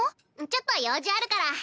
ちょっと用事あるから。